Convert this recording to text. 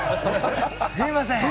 すいません。